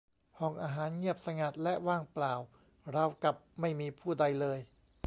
ห้องอาหารเงียบสงัดและว่างเปล่าราวกับไม่มีผู้ใดเลย